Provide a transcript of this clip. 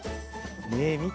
ねえみて。